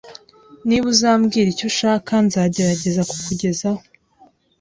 Niba uzambwira icyo ushaka, nzagerageza kukugezaho.